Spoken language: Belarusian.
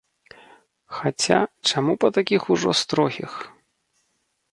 Хаця, чаму па такіх ужо строгіх?